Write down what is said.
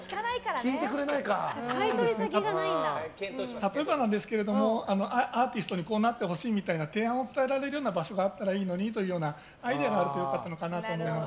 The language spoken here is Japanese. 例えばなんですけどもアーティストにこうなってほしいみたいな提案を伝えられるような場所があったらいいのにというアイデアがあったら良かったのかなと思います。